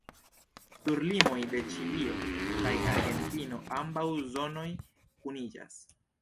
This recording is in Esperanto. Sur limoj de Ĉilio kaj Argentino ambaŭ zonoj kuniĝas.